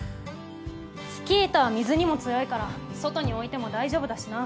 スキー板は水にも強いから外に置いても大丈夫だしな。